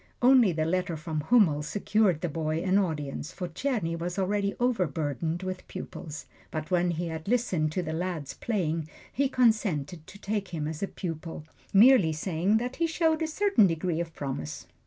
Only the letter from Hummel secured the boy an audience, for Czerny was already overburdened with pupils. But when he had listened to the lad's playing, he consented to take him as a pupil, merely saying that he showed a certain degree of promise.